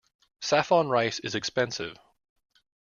Saffron rice is expensive.